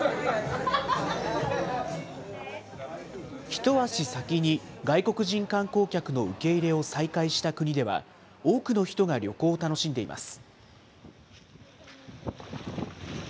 一足先に外国人観光客の受け入れを再開した国では、多くの人が旅行を楽しんでいます。